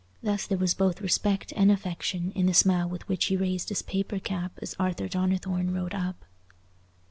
Thus there was both respect and affection in the smile with which he raised his paper cap as Arthur Donnithorne rode up.